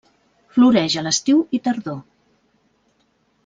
Floreix a l'estiu i tardor.